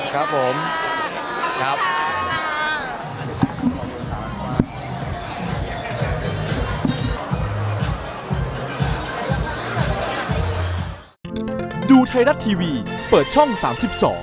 ครับผม